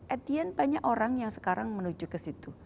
at the end banyak orang yang sekarang menuju ke situ